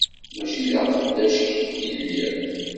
Mačči d aqeddac-ik i lliɣ.